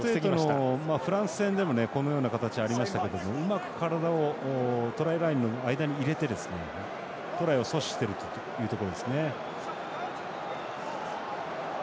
フランス戦でもこの形ありましたけどうまく体をトライラインの間に入れてトライを阻止しているというところですね。